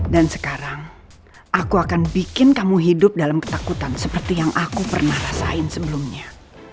dan sekarang aku akan bikin kamu hidup dalam ketakutan seperti yang aku pernah rasain sebelumnya